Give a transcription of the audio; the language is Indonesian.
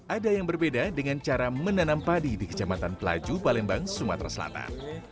ada yang berbeda dengan cara menanam padi di kecamatan pelaju palembang sumatera selatan